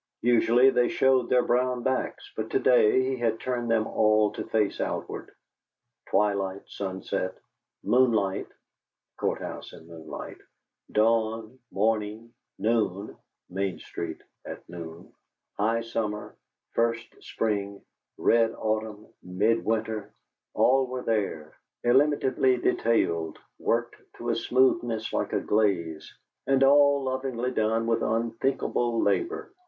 Usually they showed their brown backs, but to day he had turned them all to face outward. Twilight, sunset, moonlight (the Court house in moonlight), dawn, morning, noon (Main Street at noon), high summer, first spring, red autumn, midwinter, all were there illimitably detailed, worked to a smoothness like a glaze, and all lovingly done with unthinkable labor.